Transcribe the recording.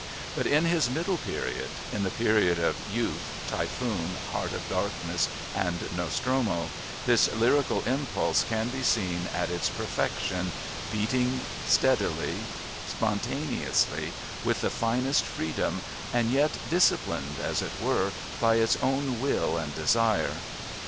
But in his middle period, in the period of Youth, Typhoon, Heart of Darkness and Nostromo, this lyrical impulse can be seen at its perfection, beating, steadily, spontaneously, with the finest freedom and yet disciplined, as it were, by its own will and desire.